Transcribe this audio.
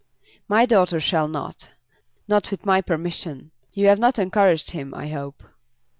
"My daughter shall not; not with my permission. You have not encouraged him, I hope."